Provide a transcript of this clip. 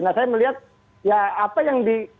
nah saya melihat ya apa yang di